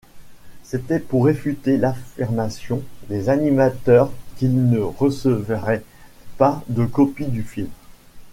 C'était pour réfuter l'affirmation des animateurs qu'ils ne recevraient pas de copie du film.